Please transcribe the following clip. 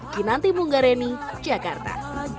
kinanti munggareni jakarta